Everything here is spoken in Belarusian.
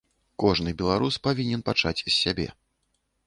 Кожны беларус павінен пачаць з сябе.